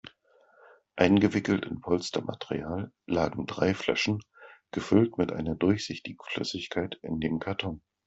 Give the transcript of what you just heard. Eingewickelt in Polstermaterial lagen drei Flaschen, gefüllt mit einer durchsichtigen Flüssigkeit, in dem Karton.